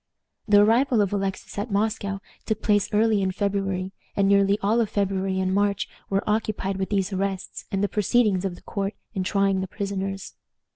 The arrival of Alexis at Moscow took place early in February, and nearly all of February and March were occupied with these arrests and the proceedings of the court in trying the prisoners.